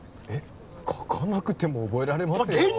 えっ書かなくても覚えられますよ